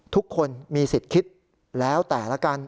ทุกคนมีสิทธิ์คิดแล้วแต่ละกัน